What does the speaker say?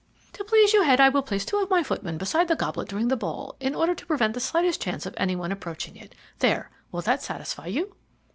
"To please you, Head, I will place two of my footmen beside the goblet during the ball, in order to prevent the slightest chance of any one approaching it. There, will that satisfy you?"